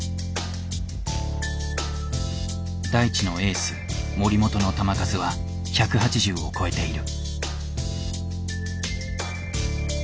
大智のエース森本の球数は１８０を超えている。